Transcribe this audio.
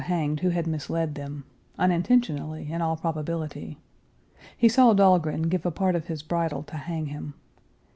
Page 295 led them, unintentionally, in all probability. He saw Dahlgren give a part of his bridle to hang him.